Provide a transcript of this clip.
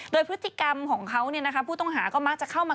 โดยพฤติกรรมของเขาผู้ต้องหาก็มักจะเข้ามา